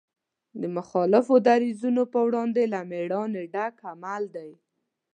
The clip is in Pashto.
د مخالفو دریځونو په وړاندې له مېړانې ډک عمل دی.